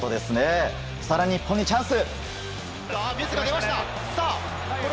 更に日本にチャンス。